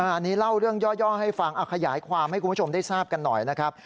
อันนี้เล่าเรื่องย่อให้ฟังขยายความให้คุณผู้ชมได้ทราบกันหน่อยนะครับ